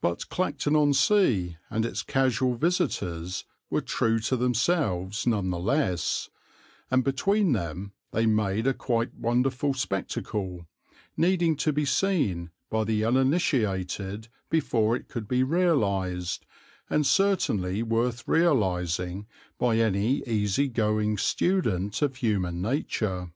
But Clacton on Sea and its casual visitors were true to themselves none the less, and between them they made a quite wonderful spectacle, needing to be seen by the uninitiated before it could be realized, and certainly worth realizing by any easy going student of human nature.